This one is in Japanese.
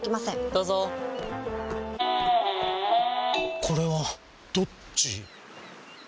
どうぞこれはどっち？